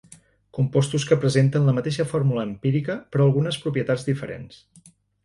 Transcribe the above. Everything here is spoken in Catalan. Compostos que presenten la mateixa fórmula empírica però algunes propietats diferents.